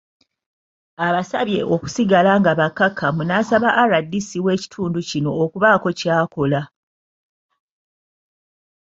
Abasabye okusigala nga bakkakkamu n'asaba RDC w'ekitundu kino okubaako ky'akola.